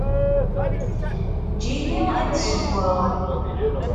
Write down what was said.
Eǧǧ-iyi ad d-ssewweɣ.